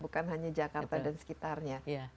bukan hanya jakarta dan sekitarnya